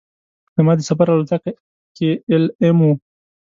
زما د سفر الوتکه کې ایل ایم وه.